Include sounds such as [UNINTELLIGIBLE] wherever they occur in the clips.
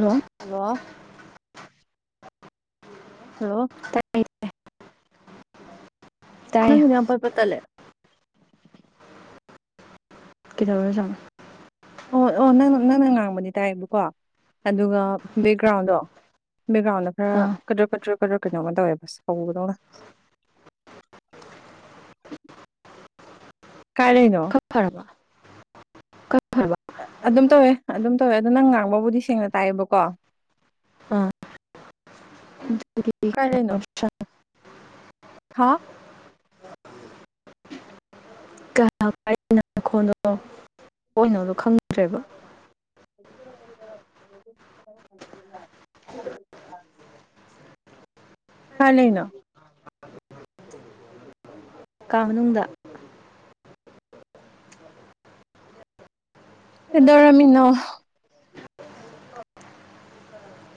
Hello hello hello ꯇꯥꯏ [UNINTELLIGIBLE] ꯇꯥꯏꯌꯦ ꯅꯪꯒꯤꯗꯣ ꯌꯥꯝ ꯄꯠ ꯄꯠ ꯇꯠꯂꯦ ꯀꯩꯗꯧꯔꯖꯥꯠꯅꯣ ꯑꯣ ꯑꯣ ꯅꯪ ꯅꯪꯅ ꯉꯥꯡꯕꯗꯤ ꯇꯥꯏꯕꯀꯣ ꯑꯗꯨꯒ ꯕꯦꯛꯒ꯭ꯔꯥꯎꯟꯗꯣ ꯕꯦꯛꯒ꯭ꯔꯥꯎꯟꯗ ꯈꯔ ꯑꯥ ꯀꯗꯔꯛ ꯀꯗꯔꯛ ꯀꯗꯔꯛ ꯀꯩꯅꯣꯝꯃ ꯇꯧꯋꯦꯕ ꯁꯧꯕꯗꯧꯅ ꯀꯥꯏ ꯂꯩꯅꯣ ꯈꯔ ꯐꯔꯕ ꯐꯔꯕ ꯑꯗꯨꯝ ꯇꯧꯋꯦ ꯑꯗꯨꯝ ꯇꯧꯋꯦ ꯑꯗꯣ ꯅꯪ ꯉꯥꯡꯕꯕꯨꯗꯤ ꯁꯦꯡꯅ ꯇꯥꯏꯌꯦꯕꯀꯣ ꯑꯥ ꯀꯥꯏ ꯂꯩꯅꯣ ꯍꯥ ꯑꯩ ꯅꯪ ꯈꯣꯟꯜꯗꯣ ꯊꯣꯛꯏꯅꯣ ꯈꯪꯗ꯭ꯔꯦꯕ [UNINTELLIGIBLE] [INAUDIBLE] ꯀꯥꯏ ꯂꯩꯅꯣ ꯀꯥ ꯃꯅꯨꯡꯗ ꯀꯩꯗꯧꯔꯝꯃꯤꯅꯣ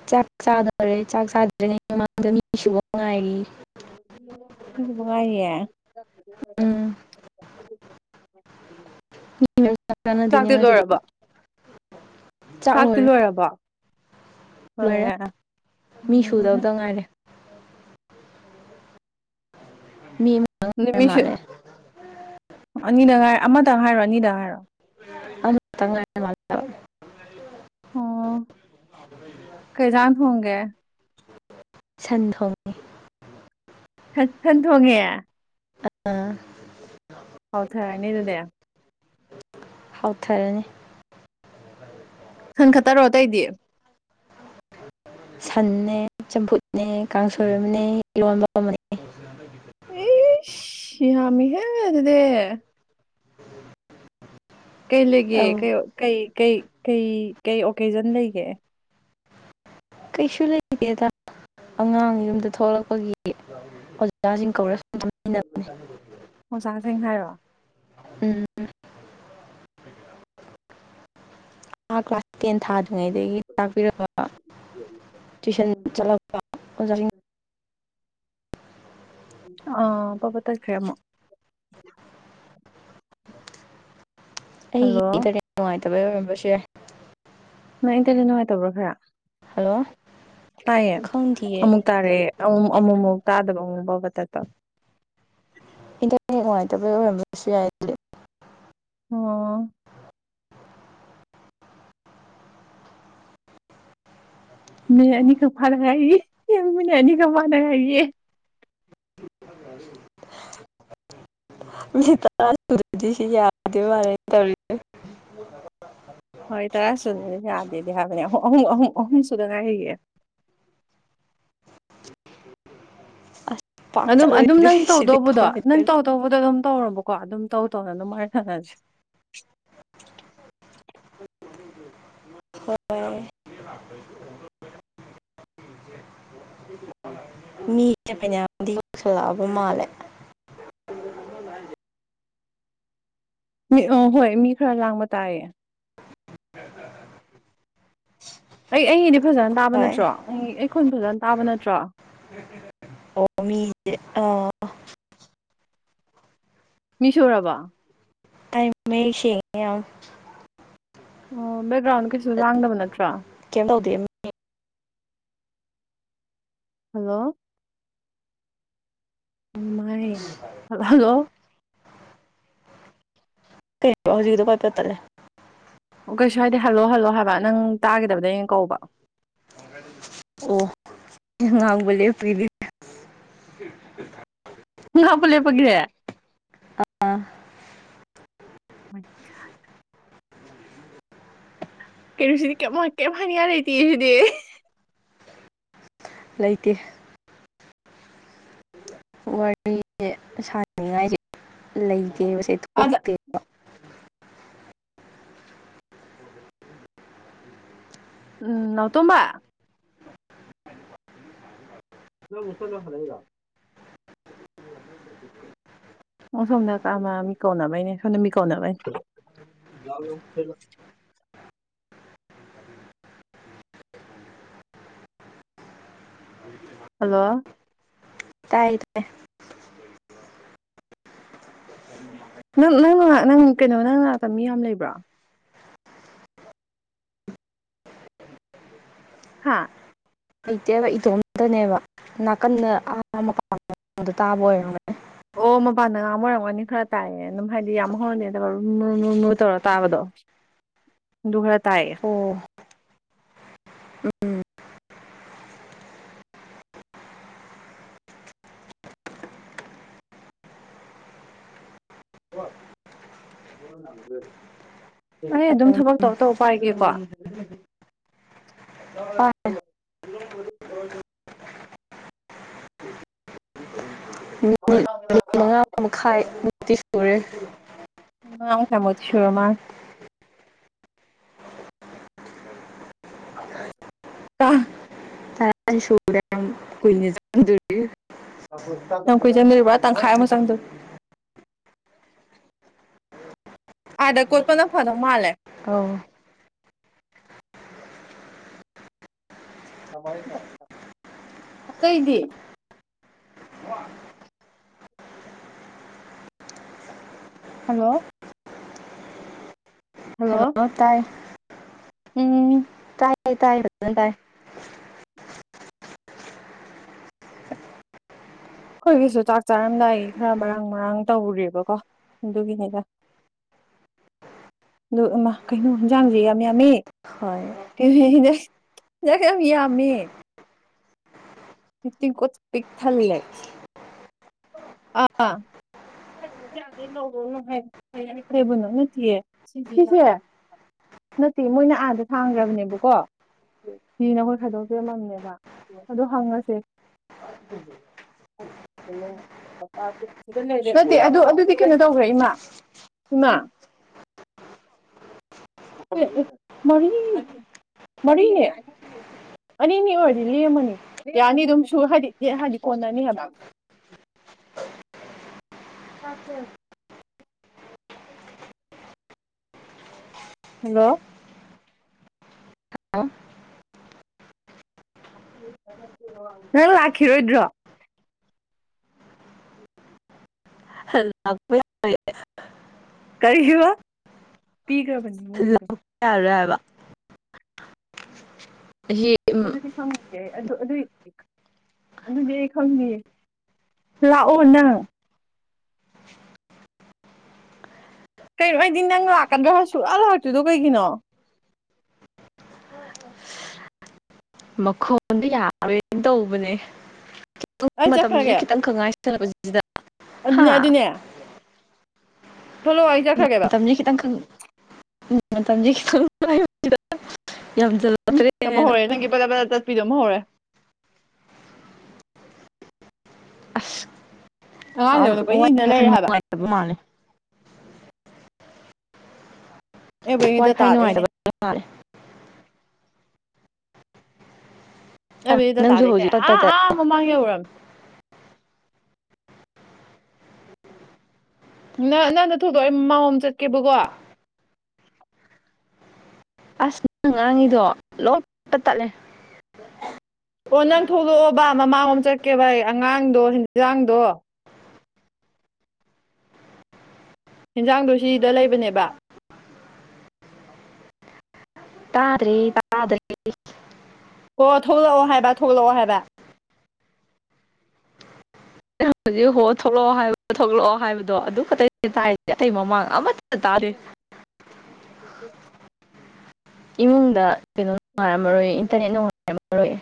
ꯆꯥꯛ ꯆꯥꯒꯗꯣꯔꯦ ꯆꯥꯛ ꯆꯥꯗ꯭ꯔꯔꯤꯉ ꯃꯃꯥꯡꯗ ꯃꯤ ꯁꯨꯨꯕ ꯉꯥꯏꯔꯤ ꯉꯥꯏꯔꯤꯌꯦ [UNINTELLIGIBLE] [INAUDIBLE] ꯎꯝ ꯃꯤ ꯆꯥꯛ ꯆꯥꯟꯅꯗꯣꯏꯅꯦ ꯆꯥꯛꯇꯤ ꯉꯁꯤꯗꯤ ꯂꯣꯏꯔꯕꯣ ꯆꯥꯛ ꯆꯥꯛꯇꯤ ꯂꯣꯏꯔꯦ ꯂꯣꯏꯔꯕꯣ ꯂꯣꯏꯔꯦ ꯃꯤ ꯁꯨꯗꯕꯗ ꯉꯥꯏꯔꯦ [UNINTELLIGIBLE] ꯃꯤꯁꯨ ꯃꯥꯜꯂꯦ ꯑꯅꯤꯗꯪ ꯍꯥꯏꯔ ꯑꯃꯇꯪ ꯍꯥꯏꯔꯣ ꯑꯅꯤꯗꯪ ꯍꯥꯏꯔꯣ ꯑꯃꯇꯪ ꯑꯣ ꯀꯩ ꯍꯦꯟꯖꯥꯡ ꯊꯣꯡꯒꯦ ꯁꯥꯟ ꯊꯣꯡꯉꯦ꯫ ꯁꯟ ꯊꯣꯡꯉꯦ ꯑ ꯍꯥꯎꯊꯔꯥꯅꯤ ꯑꯗꯨꯗꯤ ꯍꯥꯎꯊꯔꯅꯤ ꯁꯟ ꯈꯠꯇꯔꯣ ꯑꯇꯩꯗꯤ ꯁꯟꯅꯦ ꯆꯝꯐꯨꯠꯅꯦ ꯀꯥꯡꯁꯣꯏ ꯑꯃꯅꯦ ꯏꯔꯣꯟꯕ ꯑꯃꯅꯦ ꯏꯁꯁ ꯌꯝꯃꯤꯍꯦ ꯑꯗꯨꯗꯤ ꯀꯩ ꯂꯩꯒꯦ ꯑꯧ ꯀꯩ ꯀꯩ ꯀꯩ ꯀꯩ ꯀꯩ ꯑꯣꯀꯦꯖꯟ ꯂꯩꯒꯦ ꯀꯩꯁꯨ ꯂꯩꯇꯦꯗ ꯑꯉꯥꯡ ꯌꯨꯝꯗ ꯊꯣꯛꯂꯛꯄꯒꯤ ꯑꯣꯖꯥꯁꯤꯡ ꯀꯧꯔ ꯁꯨꯝ ꯆꯥꯃꯤꯟꯅꯕꯅꯦ ꯑꯣꯖꯥꯁꯤꯡ ꯍꯥꯏꯔꯣ ꯎꯝ ꯑ ꯀ꯭ꯂꯥꯁ ꯇꯦꯟ ꯊꯥꯗ꯭ꯔꯤꯉꯩꯗꯒꯤ ꯇꯥꯛꯄꯤꯔꯛꯄ ꯇꯨꯏꯁꯟ ꯆꯠꯂꯛꯄ ꯑꯣꯖꯥꯁꯤꯡ ꯑꯥ ꯄꯠ ꯄꯠ ꯇꯠꯈ꯭ꯔꯦ ꯑꯃꯨꯛ [INAUDIBLE] ꯑꯩꯒꯤ ꯏꯟꯇꯔꯅꯦꯠ ꯅꯨꯡꯉꯥꯏꯇꯕꯩ ꯑꯣꯏꯔꯝꯕꯁꯨ ꯌꯥꯏ ꯅꯣꯏ ꯏꯟꯇꯔꯅꯦꯠ ꯅꯨꯡꯉꯥꯏꯇꯕ꯭ꯔꯣ ꯈꯔ ꯍꯜꯂꯣ ꯇꯥꯏꯌꯦ ꯈꯪꯗꯤꯌꯦ ꯑꯃꯨꯛ ꯇꯥꯔꯦ ꯑꯝ ꯑꯃꯨꯛ ꯃꯨꯛ ꯇꯥꯗꯕ ꯑꯃꯨ ꯕꯠ ꯕꯠ ꯇꯠꯄ ꯏꯟꯇꯔꯅꯦꯠ ꯅꯨꯡꯉꯥꯏꯇꯕꯩ ꯑꯣꯏꯔꯝꯕꯁꯨ ꯌꯥꯏ ꯑꯗꯨꯗꯤ ꯑꯣ ꯃꯤꯅꯤꯠ ꯑꯅꯤꯈꯛ ꯐꯗ ꯉꯏꯔꯤ ꯌꯦꯡꯉꯨꯅꯦ ꯑꯅꯤꯈꯛ ꯐꯗ ꯉꯥꯏꯔꯤꯌꯦ [INAUDIBLE] [UNINTELLIGIBLE] ꯍꯣꯏ ꯇꯔꯥ ꯁꯨꯗꯔꯗꯤ ꯌꯥꯗꯦꯗꯤ ꯍꯥꯏꯕꯅꯦ ꯑꯍꯨꯝ ꯑꯍꯨꯝ ꯑꯍꯨꯝ ꯁꯨꯗ ꯉꯥꯏꯔꯤꯌꯦ ꯑꯁ ꯄꯥꯛ ꯑꯗꯨꯝ ꯑꯗꯨꯝ ꯆꯠꯂꯣꯏꯗꯣꯏ ꯅꯪ ꯁꯤꯗꯤ ꯇꯧꯗꯧꯕꯗꯣ ꯀꯃꯥꯏ ꯅꯪ ꯇꯧꯅꯤ ꯇꯧꯗꯧꯕꯗꯣ ꯑꯗꯨꯝ ꯇꯧꯔꯣꯕꯀꯣ ꯑꯗꯨꯝ ꯇꯧ ꯇꯧꯅ ꯑꯗꯨꯝ ꯋꯥꯔꯤ ꯁꯥꯅꯁꯦ ꯍꯣꯏ ꯃꯤꯁꯦ ꯐꯅꯌꯥꯝꯗꯤ ꯌꯧꯁꯜꯂꯛꯑꯕ ꯃꯥꯜꯂꯦ [INAUDIBLE] ꯃꯤ ꯑ ꯍꯣꯏ ꯃꯤ ꯈꯔ ꯂꯥꯡꯕ ꯇꯥꯏꯌꯦ [INAUDIBLE] ꯑꯩ ꯑꯩꯒꯤꯗꯤ ꯐꯖꯅ ꯇꯥꯕ ꯍꯣꯏ ꯅꯠꯇ꯭ꯔꯣ ꯑꯩꯒꯤ ꯈꯣꯟ ꯐꯖꯅ ꯇꯥꯕ ꯅꯠꯇ꯭ꯔꯣ ꯑꯣ ꯃꯤ ꯑꯥ ꯃꯤ ꯁꯨꯔꯕꯣ ꯑꯩ ꯃꯥꯌꯦꯛ ꯁꯦꯡꯑꯦ ꯌꯥꯝ ꯑꯣ ꯕꯦꯛꯒ꯭ꯔꯥꯎꯟꯗꯨ ꯀꯩꯁꯨ ꯂꯥꯡꯗꯕ ꯅꯠꯇ꯭ꯔꯣ ꯀ꯭ꯌꯥꯝ ꯇꯧꯗꯦ ꯑꯎ ꯍꯜꯂꯣ ꯎꯃꯥꯏ ꯍꯜꯂꯣ ꯀꯩꯍꯥꯏꯕ ꯍꯧꯖꯤꯛꯀꯤꯗꯣ ꯄꯠꯄꯠ ꯇꯠꯂꯦ ꯑꯣ ꯀꯩꯁꯨ ꯍꯥꯏꯗꯦ ꯍꯜꯂꯣ ꯍꯜꯂꯣ ꯍꯥꯏꯕ ꯅꯪ ꯇꯥꯒꯤꯗꯕꯗꯩ ꯑꯩꯅ ꯀꯧꯕ ꯑꯣ ꯉꯥꯡꯕ ꯂꯦꯞꯄꯤꯕꯤ [INAUDIBLE] ꯉꯥꯛꯄ ꯂꯦꯞꯄꯒꯤ ꯑꯦ ꯑꯥ ꯃꯩꯊꯠ ꯀꯩꯅꯣꯁꯤꯗꯤ ꯀꯥꯏꯝ ꯀꯥꯢꯝ ꯍꯥꯏꯅꯤꯉꯥꯢ ꯂꯩꯇꯦꯌꯦ ꯁꯤꯗꯤ ꯂꯩꯇꯦ ꯏ ꯋꯥꯔꯤꯁꯦ ꯁꯥꯟꯅꯤꯡꯉꯥꯏꯁꯦ ꯂꯩꯇꯦꯕꯁꯦ ꯑꯗ ꯊꯣꯛꯇꯦ ꯎꯝ ꯅꯥꯎꯇꯣꯝꯕ ꯅꯪꯃꯨꯛ ꯆꯠꯂꯨꯔ ꯍꯜꯂꯛꯏꯔꯣ ꯑꯣ ꯁꯣꯝꯗ ꯀꯥꯃ ꯃꯤꯀꯥꯎꯅꯕꯥꯏꯅꯦ ꯁꯣꯝꯗ ꯃꯤꯀꯥꯎꯅꯕꯩꯅꯦ [UNINTELLIGIBLE] ꯍꯜꯂꯣ ꯇꯥꯏ ꯇꯥꯏꯌꯦ ꯅꯪ ꯅꯪ ꯅꯪ ꯅꯥꯛ ꯀꯩꯅꯣ ꯅꯪ ꯅꯥꯛꯇ ꯃꯤ ꯌꯥꯝ ꯂꯩꯕ꯭ꯔꯣ ꯍꯥ ꯂꯩꯇꯦꯕ ꯏꯇꯣꯝꯇꯅꯦꯕ ꯅꯥꯀꯟꯗ ꯑꯥ ꯃꯄꯥꯟꯗ ꯇꯥꯕ ꯑꯣꯏꯔꯝꯒꯅꯤ ꯑꯣ ꯃꯄꯥꯟꯗ ꯉꯥꯡꯕ ꯑꯣꯏꯔꯝꯒꯅꯤ ꯈꯔ ꯇꯥꯏꯌꯦ ꯑꯗꯨꯝ ꯍꯥꯏꯗꯤ ꯌꯥꯝ ꯍꯧꯅꯗꯤ ꯅꯠꯇꯕ ꯗꯨꯝ ꯃꯔꯨ ꯃꯔꯨ ꯇꯧꯔ ꯇꯥꯕꯗꯣ ꯑꯗꯨ ꯈꯔꯥ ꯇꯥꯑꯦ ꯑꯣ ꯎꯝ ꯑꯩ ꯑꯗꯨꯝ ꯊꯕꯛ ꯇꯧ ꯇꯧ ꯄꯥꯏꯒꯦꯀꯣ ꯍꯣꯏ [UNINTELLIGIBLE] ꯑꯃꯈꯥꯏ ꯇꯤ ꯁꯨꯔꯦ ꯄꯨꯡꯒꯥꯏꯃꯨꯛ ꯀꯩꯃꯨꯛꯇꯤ ꯁꯨꯔ ꯃꯥꯜꯂꯦ ꯀ ꯑ ꯁꯔꯔꯦ ꯀꯨꯏꯅ ꯆꯪꯗꯧꯔꯤ ꯌꯥꯝ ꯀꯨꯏꯅ ꯆꯪꯗꯧꯔꯤꯕ꯭ꯔꯥ ꯑꯥ ꯇꯪꯈꯥꯏ ꯑꯃ ꯆꯪꯗ ꯑꯥꯗ ꯀꯣꯠꯄꯅ ꯐꯗꯧ ꯃꯥꯜꯂꯦ ꯑꯧ ꯑꯇꯩꯗꯤ ꯍ [INAUDIBLE] ꯍꯜꯂꯣ ꯍꯜꯂꯣ ꯍꯥꯜꯂꯣ ꯇꯥꯏ ꯎꯝ ꯇꯥꯏ ꯇꯥꯏ ꯐꯖꯅ ꯇꯥꯏ ꯑꯩꯈꯣꯏꯒꯤꯁꯨ ꯆꯥꯛ ꯆꯥꯔꯝꯗꯥꯏꯒꯤ ꯈꯔ ꯃꯔꯥꯡ ꯃꯔꯥꯡ ꯇꯧꯔꯨꯔꯦꯕꯀꯣ ꯑꯗꯨꯒꯤꯅꯤꯗ ꯑꯗꯨ ꯏꯃꯥ ꯀꯩꯅꯣ ꯍꯤꯟꯖꯥꯡꯖꯦ ꯌꯥꯝ ꯌꯥꯝꯃꯦ ꯍꯣꯏ ꯅꯪ ꯌꯥꯝ ꯌꯥꯝꯃꯦ ꯎꯇꯤꯡꯀꯨꯆ ꯄꯤꯛ ꯊꯜꯂꯦ ꯑꯥ ꯀꯔꯤꯕꯨꯅꯣ ꯅꯠꯇꯤꯌꯦ ꯁꯤꯁꯦ ꯅꯠꯇꯦ ꯃꯣꯏꯅ ꯑꯥꯗ ꯊꯥꯡꯒ꯭ꯔꯕꯅꯦꯕꯀꯣ ꯐꯤꯅ ꯑꯩꯈꯣꯏ ꯈꯥꯏꯗꯣꯛꯄꯤꯔꯝꯃꯝꯅꯦꯕ ꯑꯗꯣ ꯍꯪꯉꯁꯦ ꯎꯝ ꯅꯠꯇꯦ ꯑꯗꯨ ꯑꯗꯨꯗꯤ ꯀꯩꯅꯣ ꯇꯧꯒ꯭ꯔꯦ ꯏꯃꯥ ꯏꯃꯥ ꯑꯦ ꯑꯦ ꯃꯔꯤ ꯃꯔꯤꯅꯦ ꯑꯅꯤꯅꯤ ꯑꯣꯏꯔꯗꯤ ꯂꯦꯝꯃꯅꯤ ꯌꯥꯅꯤ ꯑꯗꯨꯝ ꯁꯨ ꯍꯥꯏꯗꯤ ꯌꯦ ꯍꯥꯏꯗꯤ ꯀꯣꯟꯅꯅꯤ ꯍꯥꯏꯕ [UNINTELLIGIBLE] ꯍꯜꯂꯣ [UNINTELLIGIBLE] ꯅꯪ ꯂꯥꯛꯈꯤꯔꯣꯏꯗ꯭ꯔꯣ ꯍꯜꯂꯥꯛꯄ ꯌꯥꯔꯦ ꯀꯔꯤꯑꯕ ꯄꯤꯒꯔꯕꯅꯤ ꯃꯣꯏ ꯂꯥꯛꯄ ꯌꯥꯔꯣꯏ ꯍꯥꯏꯕ ꯑꯁꯤ ꯑꯗꯨꯗꯤ ꯈꯪꯗꯤꯌꯦ ꯑꯗꯨ ꯑꯗꯨꯏ ꯑꯗꯨꯗꯤ ꯑꯩ ꯈꯪꯗꯤꯌꯦ ꯂꯥꯛꯑꯣ ꯅꯪ ꯀꯩꯅꯣ ꯑꯩꯗꯤ ꯅꯪ ꯂꯥꯛꯀꯗ꯭ꯔꯥ ꯍꯥꯏꯔꯒ ꯁꯨꯡꯂꯥꯛ ꯂꯥꯛꯇ꯭ꯔꯤꯗꯣ ꯀꯩꯒꯤꯅꯣ ꯃꯈꯣꯟꯗꯣ ꯌꯥꯔꯣꯏꯟ ꯇꯧꯕꯅꯦ [UNINTELLIGIBLE] ꯑꯩ ꯃꯇꯝꯖꯤꯖꯨ ꯆꯠꯈ꯭ꯔꯒꯦ ꯈꯤꯇꯪ ꯈꯛ ꯉꯥꯏꯁꯜꯂꯛꯄꯍꯤꯗ ꯍꯥ ꯑꯗꯨꯅꯦ ꯊꯣꯛꯂꯣ ꯑꯩ ꯆꯠꯈ꯭ꯔꯒꯦꯕ ꯇꯝꯖꯦ ꯈꯤꯇꯪꯈꯛ ꯃꯇꯝꯖꯦ [UNINTELLIGIBLE] ꯌꯥꯝꯖꯜ ꯎꯝ ꯑꯃꯨꯛ ꯍꯧꯔꯦ ꯅꯪꯒꯤ ꯕꯔꯥ ꯕꯔꯥ ꯇꯠꯄꯤꯗꯣ ꯑꯃꯨꯛ ꯍꯧꯔꯦ ꯑꯁ ꯑꯉꯥꯡꯁꯦ ꯑꯥꯝ ꯑꯩꯉꯣꯟꯗ ꯀꯣꯏ ꯋꯥꯏ ꯏꯟꯅ ꯐꯥꯏ ꯌꯥꯝ ꯂꯩꯔꯦ ꯍꯥꯏꯕ ꯅꯨꯡꯉꯥꯏꯇꯕ ꯃꯥꯜꯂꯦ ꯑꯩꯕꯨꯗꯤ ꯋꯥꯏ ꯐꯥꯏ ꯗꯇꯥꯗꯩꯅꯦ ꯅꯨꯡꯉꯥꯏꯇꯕꯩ ꯃꯥꯜꯂꯦ ꯑꯁ ꯅꯣꯏꯕꯨꯗꯤ ꯅꯪꯁꯨ ꯗꯥꯇꯥꯗꯩꯅꯦ ꯍꯧꯖꯤꯛ ꯄꯠ ꯄꯠ ꯑꯥ ꯇꯠ ꯑꯥ ꯃꯃꯥꯡ ꯌꯧꯔꯝꯃꯦ ꯅꯪ ꯅꯪꯗꯣ ꯊꯣꯏꯗꯣꯛ ꯑꯩ ꯃꯃꯥꯡꯉꯣꯝ ꯆꯠꯀꯦꯕꯀꯣ ꯑꯁ ꯅꯪ ꯉꯥꯡꯉꯤꯗꯣ ꯂꯣꯏ ꯄꯨꯡꯇꯠ ꯇꯠꯂꯦ ꯑꯣ ꯅꯪ ꯊꯣꯛꯂꯛꯑꯣꯕ ꯃꯃꯥꯡꯉꯣꯝ ꯆꯠꯀꯦꯕ ꯑꯩ ꯑꯉꯥꯡꯗꯣ ꯍꯤꯟꯖꯥꯡꯗꯣ ꯍꯤꯟꯖꯥꯡꯗꯣ ꯁꯤꯗ ꯂꯩꯕꯅꯦꯕ ꯇꯥꯗ꯭ꯔꯦ ꯇꯥꯗ꯭ꯔꯦ ꯑꯣ ꯊꯣꯛꯂꯛꯑꯣ ꯍꯥꯏꯕ ꯊꯣꯛꯂꯛꯑꯣ ꯍꯥꯏꯕ [INAUDIBLE] ꯍꯧꯖꯤꯛ ꯍꯣ ꯊꯣꯛꯂꯛꯑꯣ ꯍꯥꯏꯕ ꯊꯣꯛꯂꯛꯑꯣ ꯍꯥꯏꯕꯗꯣ ꯑꯗꯨ ꯈꯛꯇꯅꯦ ꯇꯥꯏꯖꯦ ꯑꯩꯇꯩ ꯃꯃꯥꯡ ꯑꯃꯠꯇ ꯇꯥꯗꯦ [UNINTELLIGIBLE] ꯏꯃꯨꯡꯗ ꯀꯩꯅꯣ ꯅꯨꯡꯉꯥꯏꯔꯝꯃꯔꯣꯏ ꯏꯟꯇꯔꯅꯦꯠ ꯅꯨꯡꯉꯥꯏꯔꯝꯃꯔꯣꯏ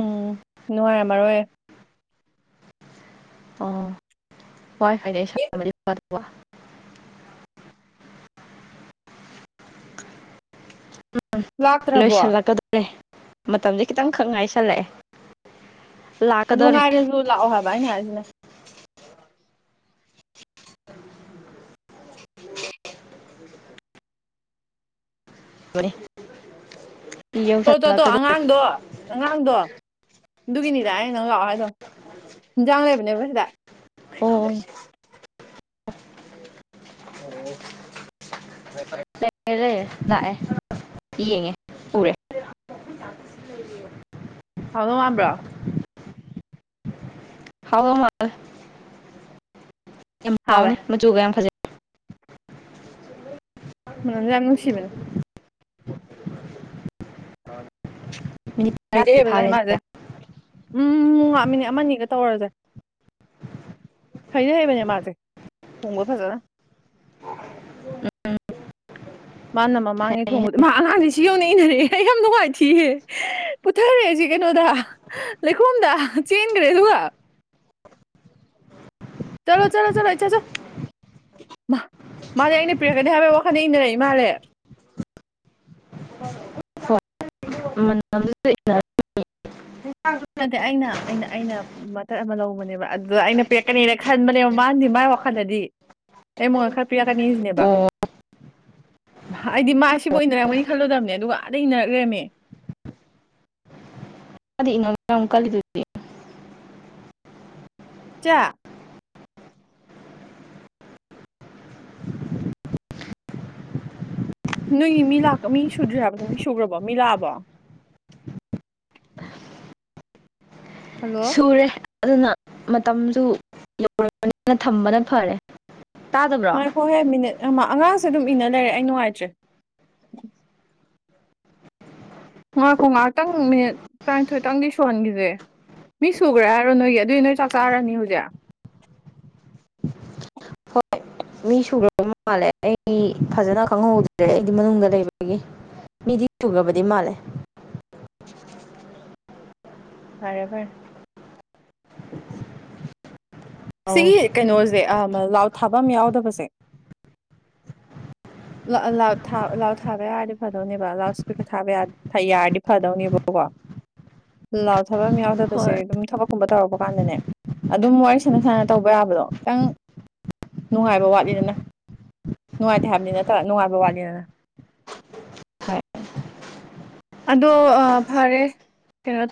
ꯎꯝ ꯅꯨꯡꯉꯥꯏꯔꯝꯃꯔꯣꯏꯌꯦ ꯑꯣ ꯋꯥꯏ ꯐꯥꯏꯗꯩ ꯁꯟꯃꯗꯤ ꯐꯗꯧꯕ ꯎꯝ ꯂꯥꯛꯇ꯭ꯔꯕꯣ ꯂꯣꯏꯁꯤꯜꯂꯛ ꯀꯗꯧꯔꯦ ꯃꯇꯝꯁꯦ ꯈꯤꯇꯪ ꯈꯛ ꯉꯥꯏꯁꯜꯂꯛꯑꯦ ꯑꯗꯨ ꯂꯥꯛꯀꯗꯣꯔꯦ ꯉꯥꯏꯔꯁꯨ ꯂꯥꯛꯑꯣ ꯍꯥꯏꯕ ꯑꯩꯅ ꯍꯥꯏꯁꯤꯅ ꯂꯣꯏꯂꯦ ꯇꯣ ꯇꯣ ꯇꯣ ꯑꯉꯥꯡꯗꯣ ꯑꯉꯥꯡꯗꯣ ꯑꯗꯨꯒꯤꯅꯤꯗ ꯑꯩ ꯅꯪ ꯂꯥꯛꯑꯣ ꯍꯥꯏꯗꯣ ꯍꯤꯟꯖꯥꯡ ꯂꯩꯕꯅꯦꯕ ꯁꯤꯗ ꯑꯣ ꯑꯣ ꯂꯩꯔꯦ ꯂꯥꯛꯑꯦ ꯌꯦꯡꯉꯦ ꯎꯔꯦ ꯍꯥꯎꯗꯣ ꯋꯥꯥꯟꯕ꯭ꯔꯣ ꯍꯥꯎ ꯃꯥꯜꯂꯦ ꯌꯥꯝ ꯍꯥꯎꯋꯦ ꯍꯥꯎꯅꯤ ꯃꯆꯨꯒ ꯌꯥꯝ ꯐꯖꯩ ꯃꯅꯝ ꯁꯨ ꯌꯥꯝ ꯅꯨꯡꯁꯤꯕꯥꯅꯦ ꯃꯤꯅꯤꯠ ꯃꯩꯇꯩꯩ ꯇꯔꯥꯗꯤ ꯑꯣꯏꯕꯗꯨꯅꯦ ꯐꯥꯔꯦ ꯃꯥꯁꯦ ꯁꯤꯗ ꯎꯝ ꯉꯥ ꯃꯤꯅꯤꯠ ꯑꯃ ꯑꯅꯤꯒ ꯇꯧꯔꯁꯦ ꯍꯩꯗꯤ ꯍꯩꯕꯅꯦ ꯃꯥꯁꯦ ꯍꯣꯡꯕ ꯐꯖꯟꯅ ꯎꯝ ꯃꯥꯅ ꯃꯃꯥꯡꯉꯩ ꯊꯣꯡꯕꯗ ꯃꯥ ꯑꯉꯥꯡꯁ ꯁꯤ ꯌꯧꯅ ꯏꯅꯔꯦꯛꯌꯦ ꯍꯦ ꯑꯩ ꯌꯥꯝ ꯅꯨꯡꯉꯥꯏ ꯊꯤ ꯍꯦ ꯄꯨꯠꯊꯔꯦꯁꯤ ꯀꯩꯅꯣꯗ ꯍꯥ ꯂꯩꯈꯣꯝꯗ ꯆꯦꯟꯈ꯭ꯔꯦ ꯑꯗꯨꯒ ꯇꯂꯣ ꯆꯂꯣ ꯆꯂꯣ ꯏꯆꯥ ꯆꯣ ꯃꯥ ꯃꯥꯖꯦ ꯑꯩꯅ ꯄꯤꯔꯛꯀꯅꯤ ꯍꯥꯏꯕꯒꯤ ꯋꯥꯈꯜꯗ ꯏꯩꯅꯔꯛꯏ ꯃꯥꯜꯂꯦ ꯍꯣꯏ [INAUDIBLE] ꯗꯦ ꯑꯩꯅ ꯑꯩꯅ ꯑꯩꯅ ꯃꯇꯠ ꯑꯃ ꯂꯧꯕꯅꯦꯕ ꯑꯗꯨꯗ ꯑꯩꯅ ꯄꯔꯛꯀꯅꯦꯅ ꯈꯟꯕꯅꯦꯕ ꯃꯥꯗꯤ ꯃꯥꯏ ꯋꯥꯈꯜꯗꯗꯤ ꯑꯦ ꯃꯉꯣꯟꯗꯥ ꯈ꯭ꯔꯥ ꯄꯤꯔꯛ ꯀꯥꯅꯤ ꯁꯤꯅꯦꯕꯥ ꯑꯣ ꯃꯍ ꯑꯩꯗꯤ ꯃꯥ ꯑꯁꯤꯐꯥꯎ ꯏꯅꯔꯛꯃꯅꯤ ꯈꯜꯂꯨꯗꯕꯅꯦ ꯑꯗꯨꯒ ꯑꯗꯏ ꯏꯟꯔꯛ ꯂꯩꯔꯃꯦ ꯃꯗꯤ ꯏꯪ ꯉꯥꯡ ꯗ ꯌꯥꯝ ꯀꯜꯂꯤꯗꯨꯗꯤ ꯆꯥ ꯅꯣꯏꯒꯤ ꯃꯤ ꯂꯥꯛꯇꯣ ꯃꯤ ꯁꯨꯗ꯭ꯔꯦ ꯍꯥꯏꯕꯗꯣ ꯃꯤ ꯁꯨꯈ꯭ꯔꯕꯣ ꯃꯤ ꯂꯥꯛꯑꯕꯣ ꯍꯜꯂꯣ ꯁꯨꯔꯦ ꯑꯗꯨꯅ ꯃꯇꯝꯗꯨ ꯌꯧ ꯔ ꯕꯅꯤꯅ ꯊꯝꯕꯅ ꯐꯔꯦ ꯇꯥꯗꯕ꯭ꯔꯣ ꯉꯏꯈꯣ ꯍꯦ ꯃꯤꯅꯤꯠ ꯑꯃꯥ ꯑꯉꯥꯡꯁꯦ ꯗꯨꯝ ꯏꯟꯅ ꯂꯩꯔꯦ ꯑꯩ ꯅꯨꯡꯉꯥꯏꯇ꯭ꯔꯦ ꯉꯥꯏꯈꯣ ꯉꯥꯏꯍꯥꯛꯇꯪ ꯃꯤꯅꯤꯠ ꯇꯔꯥꯅꯤꯊꯣꯏꯇꯪꯗꯤ ꯁꯨꯍꯟꯈꯤꯁꯦ ꯃꯤ ꯁꯨꯈ꯭ꯔꯦ ꯍꯥꯏꯔꯣ ꯅꯣꯏꯒꯤ ꯑꯗꯨꯏ ꯅꯣꯏ ꯆꯥꯛ ꯆꯥꯔꯅꯤ ꯍꯧꯖꯤꯛ ꯍꯣꯏ [INAUDIBLE] ꯃꯤ ꯁꯨꯔꯕ ꯃꯥꯜꯂꯦ ꯑꯩ ꯐꯖꯟꯅ ꯈꯪꯍꯧ ꯗ꯭ꯔꯦ ꯑꯩꯗꯤ ꯃꯅꯨꯡꯗ ꯂꯩꯕꯒꯤ ꯃꯤꯗꯤ ꯆꯨꯕꯗꯤ ꯃꯥꯜꯂꯦ ꯐꯔꯦ ꯐꯔꯦ [INAUDIBLE] ꯁꯤꯒꯤ ꯀꯩꯅꯣꯁꯦ ꯂꯥꯎ ꯊꯥꯐꯝ ꯑꯃ ꯌꯥꯎꯗꯕꯁꯦ ꯂꯥꯎ ꯂꯥꯎꯠ ꯊꯥꯕ ꯂꯣꯎꯠ ꯊꯒ꯭ꯔꯦ ꯍꯔꯥꯗꯤ ꯐꯗꯧꯅꯦꯕ ꯂꯥꯎꯠꯏꯁꯄꯤꯀꯔ ꯊꯥꯕ ꯌꯥꯔ ꯍꯩ ꯌꯥꯔꯗꯤ ꯐꯗꯧꯅꯦꯕꯀꯣ ꯂꯧꯎꯠ ꯊꯕꯝ ꯌꯥꯎꯗꯕꯁꯦ ꯍꯣꯏ ꯗꯨꯝ ꯊꯕꯛꯀꯨꯝꯕ ꯇꯧꯔꯛꯄ ꯀꯥꯟꯗꯅꯦ ꯑꯗꯨꯝ ꯋꯥꯔꯤ ꯁꯥ ꯁꯥꯟꯅ ꯇꯧꯕ ꯌꯥꯕꯗꯣ ꯈꯤꯇꯪ ꯅꯨꯡꯉꯥꯏꯕ ꯋꯥꯠꯂꯤꯗꯅ ꯅꯨꯡꯉꯥꯏꯇꯦ ꯍꯥꯏꯕꯅꯤ ꯅꯠꯇꯕꯥ ꯅꯨꯡꯉꯥꯏꯕ ꯋꯥꯠꯅꯤꯗꯅ ꯑꯗꯣ ꯑꯥ ꯐꯔꯦ ꯀꯩꯅꯣ ꯇꯣ